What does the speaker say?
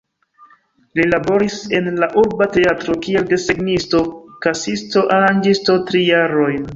Li laboris en la urba teatro kiel desegnisto, kasisto, aranĝisto tri jarojn.